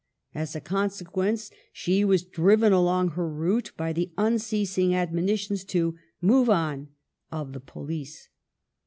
As a consequence she was driven along her route by the unceasing admoni tions to " move on " of the police.